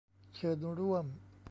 เชิญร่วม